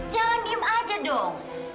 jangan diem aja dong